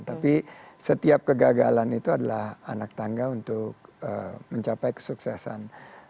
tapi setiap kegagalan itu adalah anak tangga untuk mencapai kesuksesan